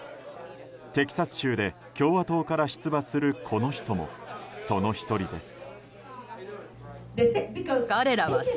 テキサス州で共和党から出馬するこの人もその１人です。